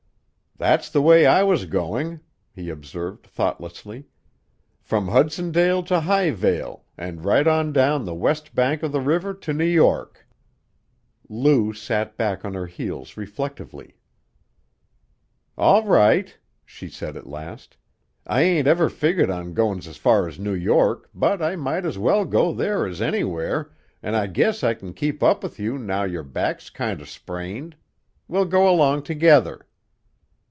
"That's the way I was going," he observed thoughtlessly. "From Hudsondale to Highvale, and right on down the west bank of the river to New York." Lou sat back on her heels reflectively. "All right," she said at last. "I ain't ever figgered on goin's far as New York, but I might as well go there as anywhere, and I guess I kin keep up with you now your back's kinder sprained. We'll go along together."